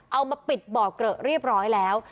เอามาปิดบ่อเกลอะเรียบร้อยแล้ว